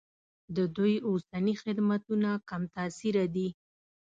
د دوی اوسني خدمتونه کم تاثیره دي.